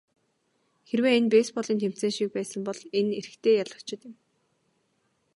Хэрвээ энэ бейсболын тэмцээн шиг байсан бол энэ эрэгтэй ялагдагч юм.